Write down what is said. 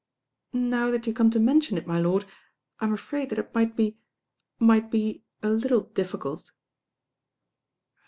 "Now that you come to mention it, my lord, I'm afraid that it might be— might be a little difficult."